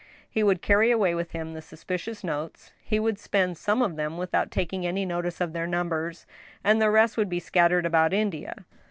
He would carry away with him the suspicious notes, he would spend some of them without taking any notice of their numbers, and the rest would be scattered about India.